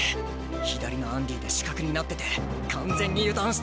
左のアンディで死角になってて完全に油断してた！